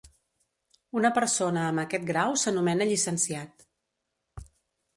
Una persona amb aquest grau s'anomena llicenciat.